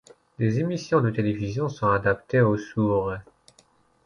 Des émissions de télévision sont adaptées aux sourds.